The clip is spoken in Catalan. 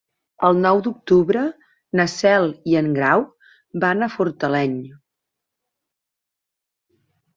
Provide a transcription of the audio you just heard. El nou d'octubre na Cel i en Grau van a Fortaleny.